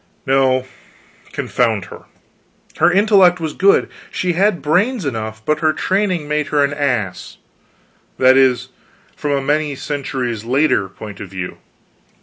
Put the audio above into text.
No, confound her, her intellect was good, she had brains enough, but her training made her an ass that is, from a many centuries later point of view.